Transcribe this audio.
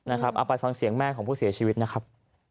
เอาไปฟังเสียงแม่ของผู้เสียชีวิตนะครับ